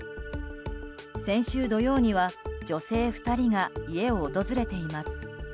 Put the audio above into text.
先週土曜には女性２人が家を訪れています。